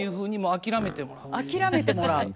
諦めてもらう。